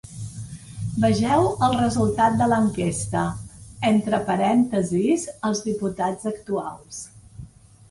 Vegeu el resultat de l’enquesta; entre parèntesis, els diputats actuals.